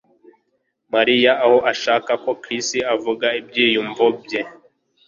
Mariya ahora ashaka ko Chris avuga ibyiyumvo bye